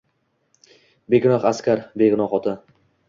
Begunoh askar. Begunoh ota.